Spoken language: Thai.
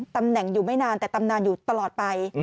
ตำแหน่งอยู่ไม่นานแต่ตำนานอยู่ตลอดไป